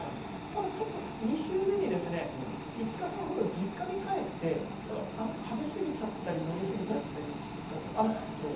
ただちょっと２週目に５日間程実家に帰って食べすぎちゃったり飲み過ぎちゃったりしたと。